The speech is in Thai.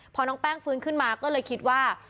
พอน้องแป้งฟื้นขึ้นมาก็เลยคิดว่า